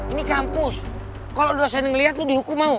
ini kampus kalau lo selesain ngeliat lo dihukum mau